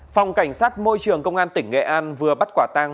phòng cảnh sát môi trường công an tỉnh nghệ an vừa bắt quả tang